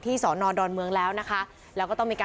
ที่สอนอดอลเมืองแล้วนะคะ